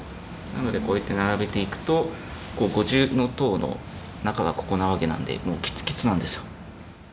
なのでこうやって並べていくと五重塔の中はここなわけなんでもうキツキツなんですよ。